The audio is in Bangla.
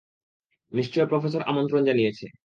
নিশ্চয় প্রফেসর আমন্ত্রন জানিয়েছে।